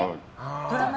ドラマ？